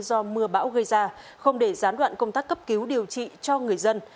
do mưa bão gây ra không để gián đoạn công tác cấp cứu điều trị cho người dân